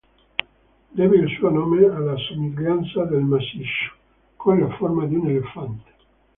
Deve il suo nome alla somiglianza del massiccio con la forma di un elefante.